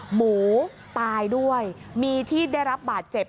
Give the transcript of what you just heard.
หมูตายด้วยมีที่ได้รับบาดเจ็บ